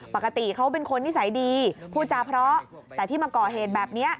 ปกติเขาเป็นคนนิสัยดีพูดจาเพราะแต่ที่มาก่อเหตุแบบนี้